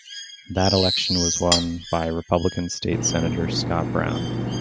That election was won by Republican state senator Scott Brown.